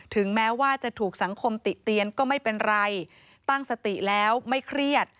ถึงแม้ว่าจะถูกสังคมติเตียนก็ไม่เป็นไรตั้งสติแล้วไม่เครียด